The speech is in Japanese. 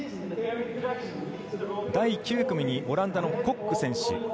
第９組にオランダのコック選手。